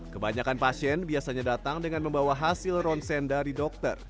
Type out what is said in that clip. kebanyakan pasien biasanya datang dengan membawa hasil ronsen dari dokter